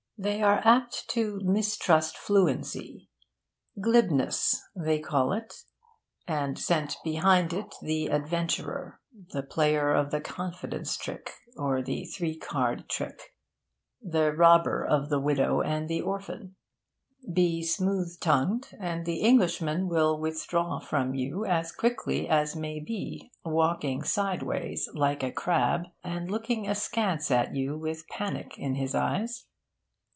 They are apt to mistrust fluency. 'Glibness' they call it, and scent behind it the adventurer, the player of the confidence trick or the three card trick, the robber of the widow and the orphan. Be smooth tongued, and the Englishman will withdraw from you as quickly as may be, walking sideways like a crab, and looking askance at you with panic in his eyes.